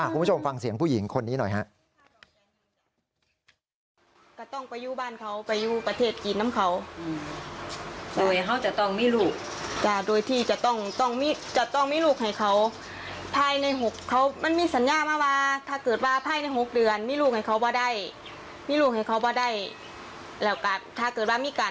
คุณผู้ชมฟังเสียงผู้หญิงคนนี้หน่อยฮะ